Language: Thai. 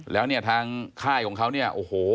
แล้วเนี่ยทางค่ายของเขาเนี่ยโอ้โห